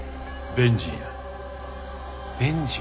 ベンジン？